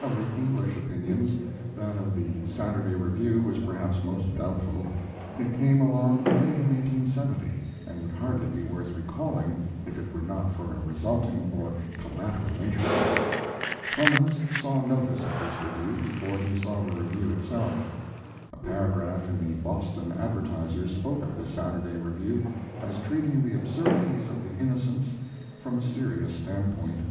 Of the English opinions, that of The Saturday Review was perhaps most doubtful. It came along late in 1870, and would hardly be worth recalling if it were not for a resulting, or collateral, interest. Clemens saw notice of this review before he saw the review itself. A paragraph in the Boston Advertiser spoke of The Saturday Review as treating the absurdities of the Innocents from a serious standpoint.